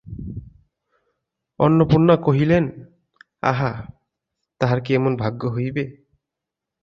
অন্নপূর্ণা কহিলেন, আহা, তাহার কি এমন ভাগ্য হইবে।